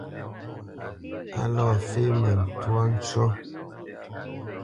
A lɔ fémə ntwá ncú.